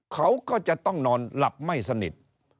เขาก็จะต้องนอนหลับไม่สนิท